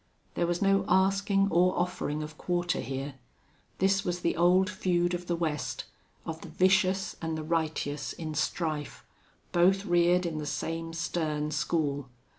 There was no asking or offering of quarter here. This was the old feud of the West of the vicious and the righteous in strife both reared in the same stern school.